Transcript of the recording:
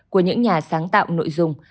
của những nhà sáng tạo nội dung